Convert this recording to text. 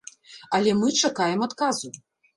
Але мы чакаем адказу.